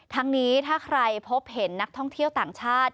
ทั้งนี้ถ้าใครพบเห็นนักท่องเที่ยวต่างชาติ